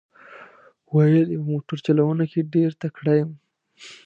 ویل یې په موټر چلونه کې ډېر تکړه یم.